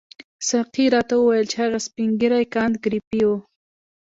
ساقي راته وویل چې هغه سپین ږیری کانت ګریفي وو.